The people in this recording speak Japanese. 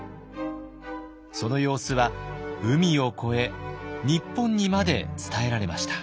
その様子は海を越え日本にまで伝えられました。